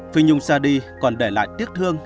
phi nhung ra đi còn để lại tiếc thương